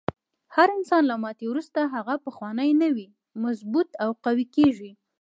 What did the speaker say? هر انسان له ماتې وروسته هغه پخوانی نه وي، مضبوط او قوي کیږي.